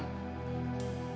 kau ini anak ayah sematawayang